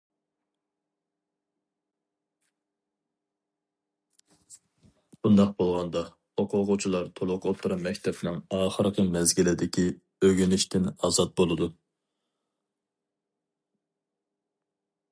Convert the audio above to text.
بۇنداق بولغاندا ئوقۇغۇچىلار تولۇق ئوتتۇرا مەكتەپنىڭ ئاخىرقى مەزگىلىدىكى ئۆگىنىشتىن ئازاد بولىدۇ.